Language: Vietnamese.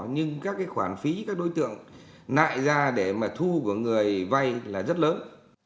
nhưng các cái khoản phí các đối tượng nại ra để mà thu của người vay là rất lớn